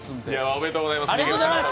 おめでとうございます。